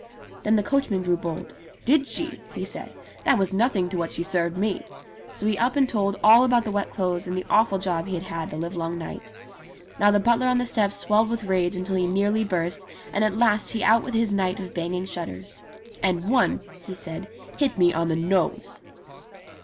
Then the coachman grew bold. "Did she?" he said. "That was nothing to what she served me." So he up and told all about the wet clothes and the awful job he had had the livelong night. Now the butler on the steps swelled with rage until he nearly burst, and at last he out with his night of banging shutters. "And one," he said, "hit me on the nose."